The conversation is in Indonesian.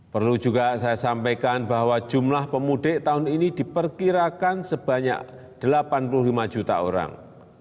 perlu juga saya sampaikan bahwa jumlah pemudik tahun ini diperkirakan sebanyak delapan puluh lima juta orang